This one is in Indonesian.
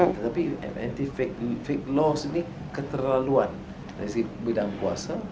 tapi anti fake laws ini keterlaluan dari bidang kuasa